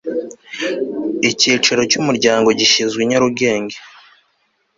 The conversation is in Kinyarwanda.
icyicaro cy umuryango gishyizwe i nyarugenge